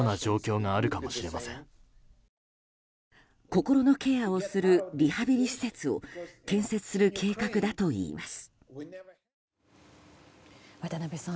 心のケアをするリハビリ施設を建設する計画だといいます。